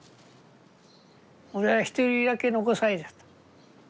俺は一人だけ残されちゃった。